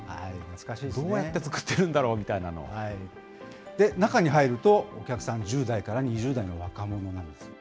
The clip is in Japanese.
どうやって作ってるんだろう中に入ると、お客さん、１０代から２０代の若者なんです。